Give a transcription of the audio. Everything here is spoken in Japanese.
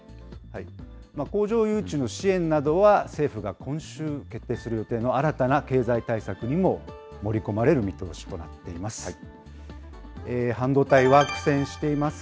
工場誘致の支援などは、政府が今週、決定する予定の新たな経済対策にも盛り込まれる見通しとなっています。